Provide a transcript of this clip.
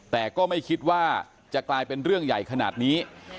แต่ก็ไม่คิดว่าจะกลายเป็นเรื่องใหญ่ขนาดนี้